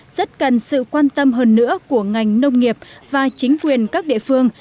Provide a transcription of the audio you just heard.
rất cần sự quan tâm hơn nữa của ngành nông nghiệp và chính quyền các địa phương